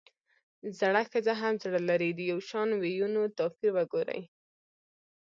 زړه ښځه هم زړۀ لري ؛ د يوشان ويونو توپير وګورئ!